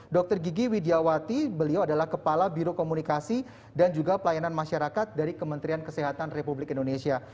dr gigi widiawati beliau adalah kepala biro komunikasi dan juga pelayanan masyarakat dari kementerian kesehatan republik indonesia